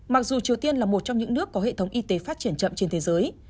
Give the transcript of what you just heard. mặc dù triều tiên là một trong những nước có hệ thống y tế phát triển chậm trên thế giới